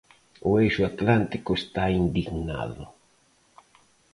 O Eixo Atlántico está indignado.